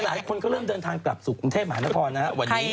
หลายคนก็เริ่มเดินทางกลับสู่กรุงเทพมหานครนะครับวันนี้